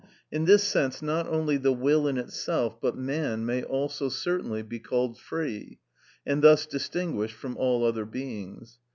In this sense, not only the will in itself, but man also may certainly be called free, and thus distinguished from all other beings.